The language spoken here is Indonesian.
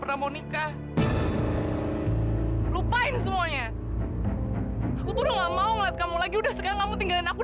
sampai jumpa di video selanjutnya